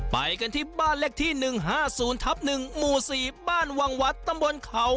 ไปกันที่บ้านเลขที่๑๕๐ทับ๑หมู่๔บ้านวังวัดตำบลเขา